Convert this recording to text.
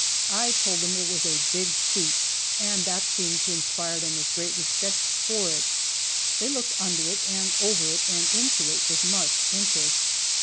I told them it was a "big shoot," and that seemed to inspire them with great respect for it. They looked under it and over it and into it with much interest.